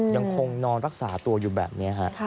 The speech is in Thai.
ยังคงนอนรักษาตัวอยู่แบบนี้ฮะ